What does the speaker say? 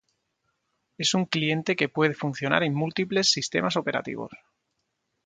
Es un cliente que puede funcionar en múltiples sistemas operativos.